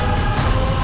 aku akan menang